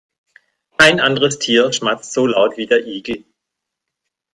Kein anderes Tier schmatzt so laut wie der Igel.